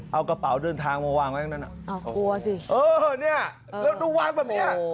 เอากระเป๋าเดินทางมาวางไว้ตรงนั้นกลัวสิเออเนี่ยแล้วดูวางแบบเนี้ย